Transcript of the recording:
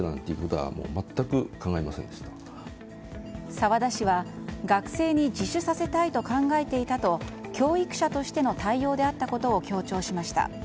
沢田氏は、学生に自首させたいと考えていたと教育者としての対応であったことを強調しました。